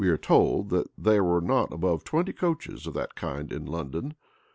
[v*] We are told, that there were not above twenty coaches of that kind in London.